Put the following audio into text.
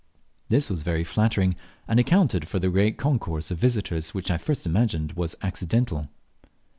This was very flattering, and accounted for the great concourse of visitors which I had at first imagined was accidental.